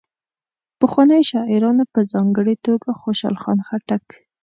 پخوانیو شاعرانو په ځانګړي توګه خوشال خان خټک.